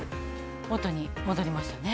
元に戻りますよね。